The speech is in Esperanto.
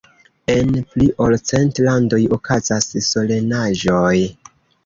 En pli ol cent landoj okazas solenaĵoj.